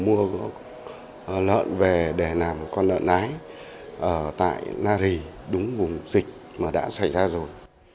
một lợn do chủ quan mua lợn về để làm con lợn lái tại na rì đúng vùng dịch mà đã xảy ra rồi